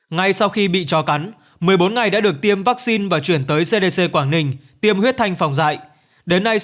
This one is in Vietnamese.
ngay sau khi bị cho cắn một mươi bốn ngày đã được tiêm vaccine và chuyển tới cdc quảng ninh tiêm huyết thanh phòng dạy